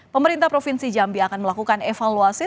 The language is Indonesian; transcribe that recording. pemerintah provinsi jambi akan melakukan evaluasi